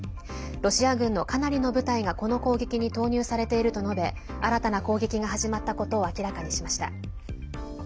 ロシア軍のかなりの部隊がこの攻撃に投入されていると述べ新たな攻撃が始まったことを明らかにしました。